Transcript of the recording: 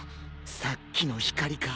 さっきの光か。